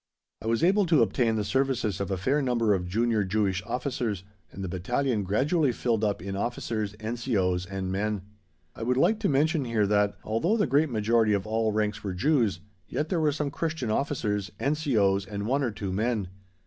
I was able to obtain the services of a fair number of Junior Jewish officers, and the Battalion gradually filled up in officers, N.C.O.'s and men. I would like to mention here that, although the great majority of all ranks were Jews, yet there were some Christian officers, N.C.O.'s and one or two men.